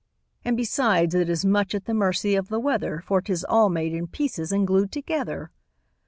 And, besides, it is much at the mercy of the weather For 'tis all made in pieces and glued together!